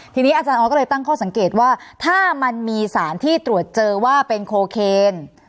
ทีนี้อาจารย์ออสก็เลยตั้งข้อสังเกตว่าถ้ามันมีสารที่ตรวจเจอว่าเป็นโคเคน